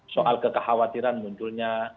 soal kekhawatiran munculnya